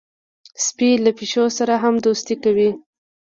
سپي له پیشو سره هم دوستي کوي.